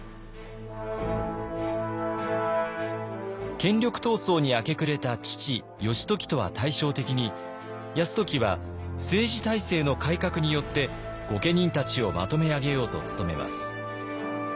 権力闘争に明け暮れた父義時とは対照的に泰時は政治体制の改革によって御家人たちをまとめ上げようと努めます。